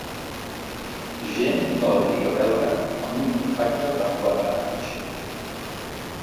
Gent de la lliga belga amb un contracte per quatre anys.